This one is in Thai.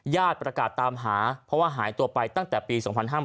ประกาศตามหาเพราะว่าหายตัวไปตั้งแต่ปี๒๕๕๘